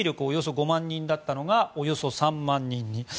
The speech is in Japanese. およそ５万人だったのがおよそ３万人に。